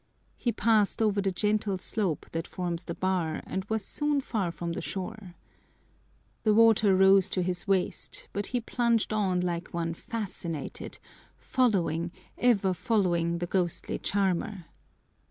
He passed over the gentle slope that forms the bar and was soon far from the shore. The water rose to his waist, but he plunged on like one fascinated, following, ever following, the ghostly charmer.